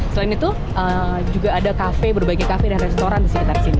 selain itu juga ada kafe berbagai kafe dan restoran di sekitar sini